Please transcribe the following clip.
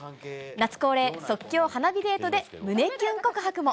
夏恒例、即興花火デートで胸キュン告白も。